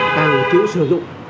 tàng trữ sử dụng